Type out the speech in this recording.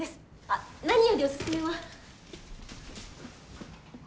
あっなによりおすすめは。